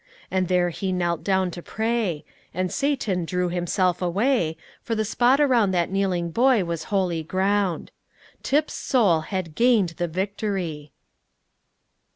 And there he knelt down to pray; and Satan drew himself away, for the spot around that kneeling boy was holy ground. Tip's soul had gained the victory.